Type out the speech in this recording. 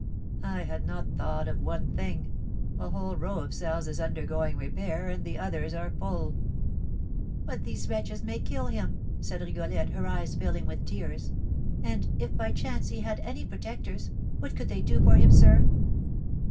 "I had not thought of one thing. A whole row of cells is undergoing repair, and the others are full." "But these wretches may kill him!" said Rigolette, her eyes filling with tears. "And if, by chance, he had any protectors, what could they do for him, sir?"